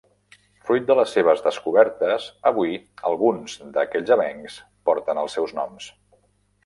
Fruit de les seves descobertes, avui alguns d'aquells avencs porten els seus noms.